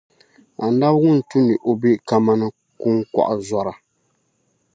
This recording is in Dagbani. Anabi ŋun tu ni o be kaman kuŋkɔɣinzɔra.